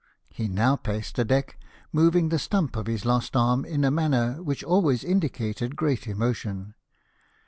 He now paced the deck, moving the stump of his lost arm in a manner which always indicated great emotion.